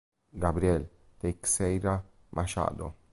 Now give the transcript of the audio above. Gabriel Teixeira Machado